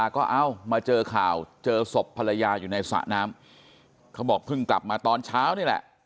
ก็เอ้ามาเจอข่าวเจอศพภรรยาอยู่ในสระน้ำเขาบอกเพิ่งกลับมาตอนเช้านี่แหละ